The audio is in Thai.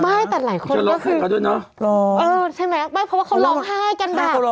ไม่แต่หลายคนก็คือใช่ไหมไม่เพราะว่าเขาร้องไห้กันแบบ